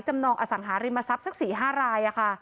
จำนองอสังหาริมทรัพย์ศักดิ์๔๕ราย